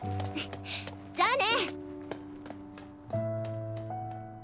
じゃあね！